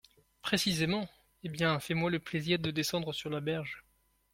Précisément ! eh bien, fais-moi le plaisir de descendre sur la berge…